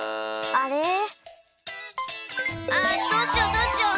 ああどうしようどうしよう。